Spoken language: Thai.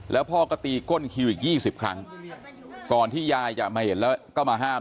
แล้วพ่อก็ตีก้นคิวอีก๒๐ครั้งก่อนที่ยายจะมาเห็นแล้วก็มาห้าม